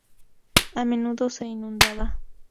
A menudo se inundaba.